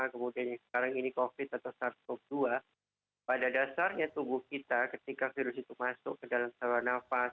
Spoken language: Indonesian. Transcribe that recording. kemudian yang sekarang ini covid atau sars cov dua pada dasarnya tubuh kita ketika virus itu masuk ke dalam saluran nafas